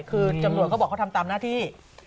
คือตำรวจเขาบอกเขาทำตามหน้าที่